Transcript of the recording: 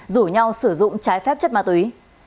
rủ nhau sử dụng trái phép chất ma túy